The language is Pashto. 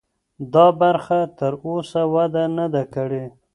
دا برخه تراوسه وده نه ده کړې.